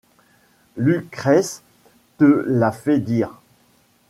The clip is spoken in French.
Lucrèce te l’a fait dire.